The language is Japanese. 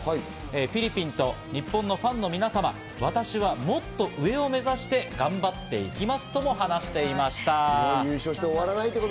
フィリピンと日本のファンの皆様、私は、もっと上を目指して頑張ってきますと話していました。